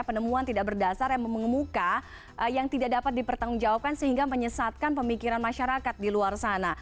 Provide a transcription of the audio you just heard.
penemuan tidak berdasar yang mengemuka yang tidak dapat dipertanggungjawabkan sehingga menyesatkan pemikiran masyarakat di luar sana